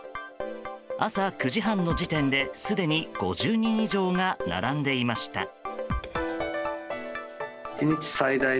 朝９時半の時点ですでに５０人以上が並んでいました。